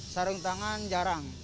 sarung tangan jarang